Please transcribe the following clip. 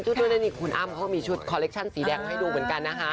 ชุดด้วยนั่นนี่คุณอ้ามเขามีชุดคอลเลคชั่นสีแดงให้ดูเหมือนกันนะคะ